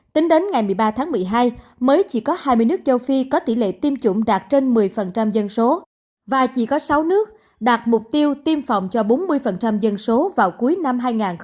tính đến ngày một mươi ba tháng một mươi hai mới chỉ có hai mươi nước châu phi có tỷ lệ tiêm chủng đạt trên một mươi dân số và chỉ có sáu nước đạt mục tiêu tiêm phòng cho bốn mươi dân số vào cuối năm hai nghìn hai mươi